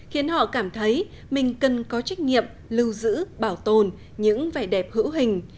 khiến họ cảm thấy mình cần có trách nhiệm lưu giữ bảo tồn những vẻ đẹp hữu hình